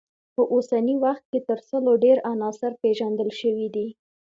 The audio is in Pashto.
په اوسني وخت کې تر سلو ډیر عناصر پیژندل شوي دي.